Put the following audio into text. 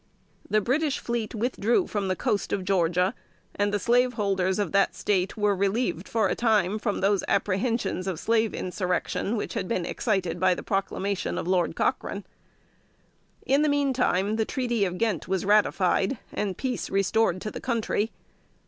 The British fleet withdrew from the coast of Georgia, and the slaveholders of that State were relieved, for a time, from those apprehensions of slave insurrection which had been excited by the proclamation of Lord Cochrane. In the meantime the Treaty of Ghent was ratified, and peace restored to the country.